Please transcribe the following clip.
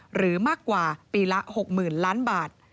หรือมากกว่าปีละหกหมื่นล้านบาท